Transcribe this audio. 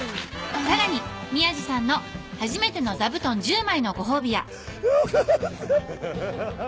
さらに宮治さんの初めての座布団１０枚のご褒美やよかった。